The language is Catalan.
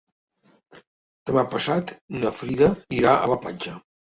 Demà passat na Frida irà a la platja.